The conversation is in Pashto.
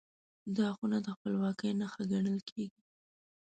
دا خونه د خپلواکۍ نښه ګڼل کېږي.